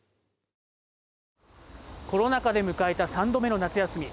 コロナ禍で迎えた３度目の夏休み。